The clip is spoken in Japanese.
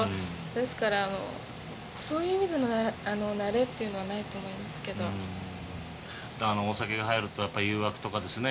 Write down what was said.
ですからそういう意味での「慣れ」っていうのはないと思いますけどお酒が入るとやっぱ誘惑とかですね